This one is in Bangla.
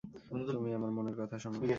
তুমি আমার মনের কথা শোন।